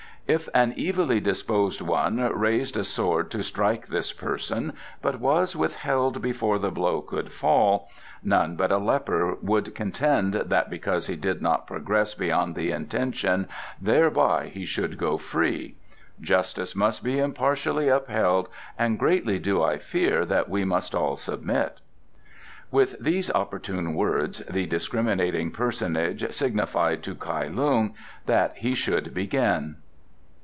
"If an evilly disposed one raised a sword to strike this person, but was withheld before the blow could fall, none but a leper would contend that because he did not progress beyond the intention thereby he should go free. Justice must be impartially upheld and greatly do I fear that we must all submit." With these opportune words the discriminating personage signified to Kai Lung that he should begin.